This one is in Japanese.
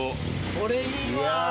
これいいわ。